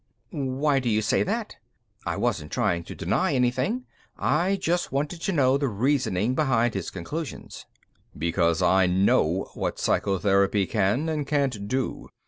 "Why do you say that?" I wasn't trying to deny anything; I just wanted to know the reasoning behind his conclusions. "Because I know what psychotherapy can and can't do.